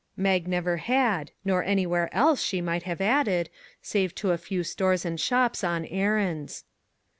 Mag never had; nor anywhere else, she might have added, save to a few stores and shops on errands.